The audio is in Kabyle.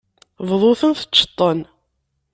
Bḍu-ten, teččeḍ-ten.